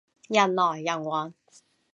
人來人往